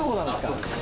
そうです。